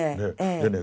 でね。